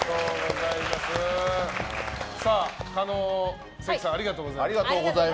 加納、関さんありがとうございました。